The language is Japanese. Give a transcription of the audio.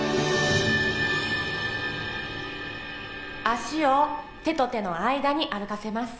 足を手と手の間に歩かせます